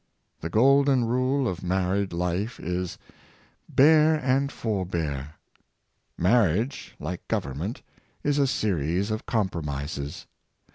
The golden rule of married life is, "bear and forbear." Marriage, like government, is a series of compromises.